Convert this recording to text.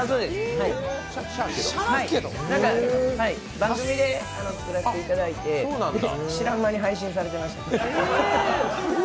番組で作らせていただいて、知らん間に配信されてました。